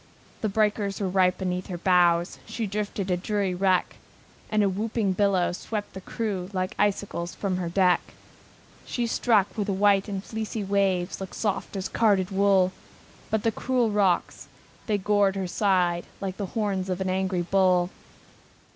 The breakers were right beneath her bows, She drifted a weary wreck, And a whooping billow swept the crew Like icicles from her deck. She struck where the white and fleecy waves Looked soft as carded wool, But the cruel rocks, they gored her side Like the horns of an angry bull.